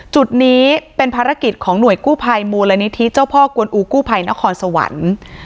จุดนี้เป็นภารกิจของหน่วยกู้ภัยมูลนิธิเจ้าพ่อกวนอูกู้ภัยนครสวรรค์